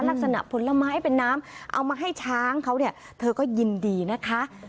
ลักษณะผลไม้เป็นน้ำเอามาให้ช้างเขาเธอก็ยินดีนะคะ